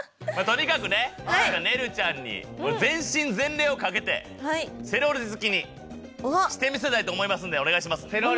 まとにかくねねるちゃんに全身全霊をかけてセロリ好きにしてみせたいと思いますんでお願いしますね。